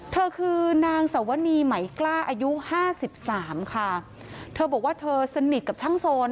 เธอคือนางสวนีไหมกล้าอายุห้าสิบสามค่ะเธอบอกว่าเธอสนิทกับช่างโซน